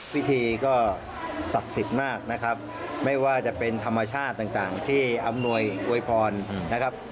พิธีก็ศักดิ์สิทธิ์มากนะครับไม่ว่าจะเป็นธรรมชาติต่างที่อำนวยอวยพรนะครับ